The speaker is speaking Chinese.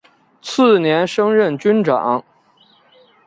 次年升任军长。